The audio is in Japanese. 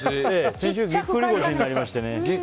先週、ぎっくり腰になりましてね。